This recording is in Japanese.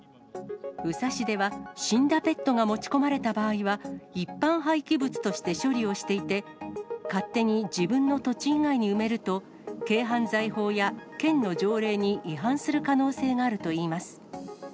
宇佐市では死んだペットが持ち込まれた場合は、一般廃棄物として処理をしていて、勝手に自分の土地以外に埋めると、軽犯罪法や県の条例に違反する可能性があるといいます。